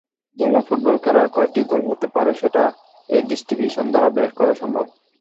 যেমন ফুটবল খেলায় কয়টি গোল হতে পারে সেটা এই ডিস্ট্রিবিউশন দ্বারা বের করা সম্ভব।